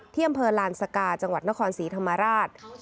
ที่อำเภอลานสกาจังหวัดนครศรีธรรมราช